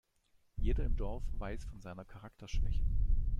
Jeder im Dorf weiß von seiner Charakterschwäche.